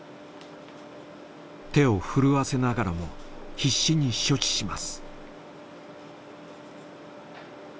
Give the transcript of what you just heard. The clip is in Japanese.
手を震わせながらも必死に処置します。